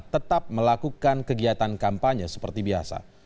tetap melakukan kegiatan kampanye seperti biasa